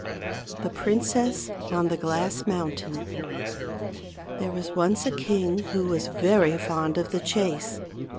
THE PRINCESS ON THE GLASS MOUNTAIN. ♦.. There was once a king who was very fond of the chase.